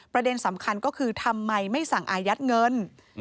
ประเด็นสำคัญก็คือทำไมไม่สั่งอายัดเงิน